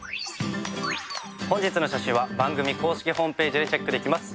本日の写真は番組公式ホームページでチェックできます。